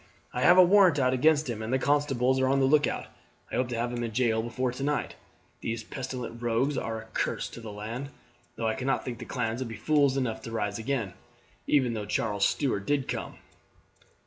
I have a warrant out against him, and the constables are on the lookout. I hope to have him in jail before tonight. These pestilent rogues are a curse to the land, though I cannot think the clans would be fools enough to rise again, even though Charles Stuart did come."